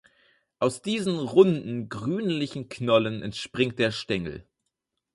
Aus diesen runden, grünlichen Knollen entspringt der Stängel.